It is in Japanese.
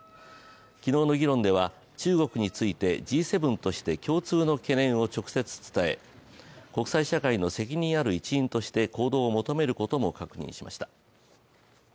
昨日の議論では中国についてＧ７として共通の懸念を直接伝え国際社会の責任ある一員として行動を求めることも確認しました。